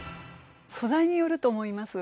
素材によると思います。